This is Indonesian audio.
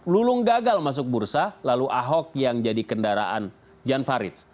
lulung gagal masuk bursa lalu ahok yang jadi kendaraan jan farid